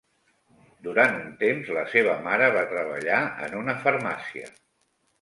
Durant un temps, la seva mare va treballar en una farmàcia.